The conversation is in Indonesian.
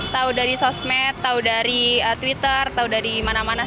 tahu dari sosmed tahu dari twitter tahu dari mana mana